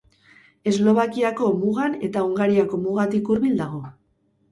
Eslovakiako mugan eta Hungariako mugatik hurbil dago.